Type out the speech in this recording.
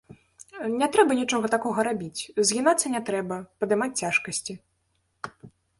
Не трэба нічога такога рабіць, згінацца не трэба, падымаць цяжкасці.